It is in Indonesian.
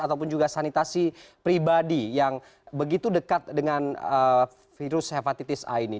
dan juga sanitasi pribadi yang begitu dekat dengan virus hepatitis a ini